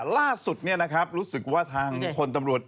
ล่าสุดเนี่ยนะครับรู้สึกว่าทางพลตำรวจ